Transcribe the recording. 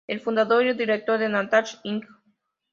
El fundador y director de "Natasha, Inc.